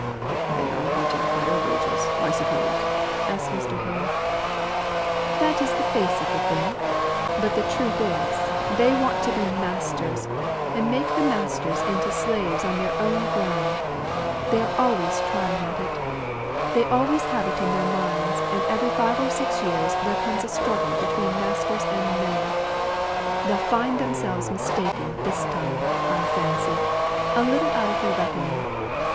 "They are wanting higher wages, I suppose?" asked Mr. Hale. "That is the face of the thing. But the truth is, they want to be masters, and make the masters into slaves on their own ground. They are always trying at it; they always have it in their minds; and every five or six years, there comes a struggle between masters and men. They'll find themselves mistaken this time, I fancy, a little out of their reckoning.